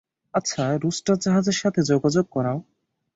আচ্ছা, রুস্টার, জাহাজের সাথে যোগাযোগ করাও।